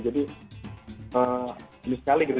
jadi ini sekali gitu